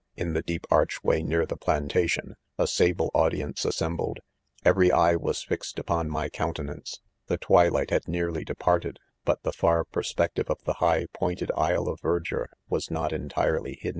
In the 'deep archway near the plantation, a .sable ^audience: assembled^! ■ bverireyewas fixed, upon toy countenance f the" twilight had nearly de parted, but the far perspective of the high •pointed aisle of verdure' was not entirely hid